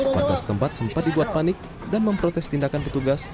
warga setempat sempat dibuat panik dan memprotes tindakan petugas